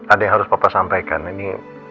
ada yang harus bapak sampaikan ini